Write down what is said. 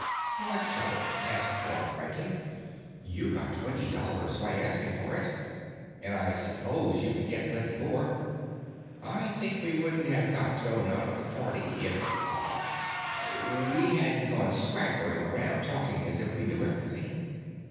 "What trouble?" asked Helena brightly. "You got twenty dollars by asking for it and I suppose you can get plenty more. And I think we wouldn't have got thrown out of that party if—ah—we hadn't gone swaggering around talking as if we knew everything.